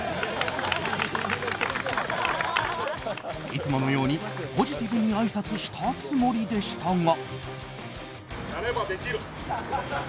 いつものようにポジティブにあいさつしたつもりでしたが。